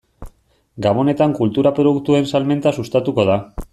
Gabonetan kultura produktuen salmenta sustatuko da.